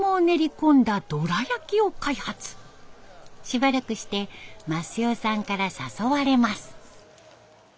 しばらくして益代さんから誘われます。